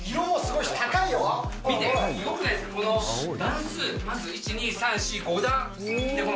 見て、すごくないですか、この段数、まず、１、２、３、４、５段。